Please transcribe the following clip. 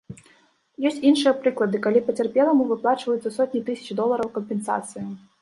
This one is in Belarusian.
Ёсць іншыя прыклады, калі пацярпеламу выплачваюцца сотні тысяч долараў кампенсацыі.